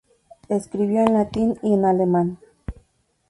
Escribió en latín y en alemán.